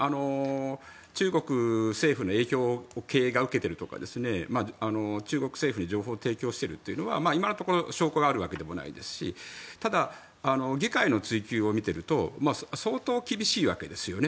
中国政府の影響を経営が受けているとか中国政府に情報を提供しているというのは今のところ証拠があるわけでもないですしただ、議会の追及を見ていると相当厳しいわけですよね。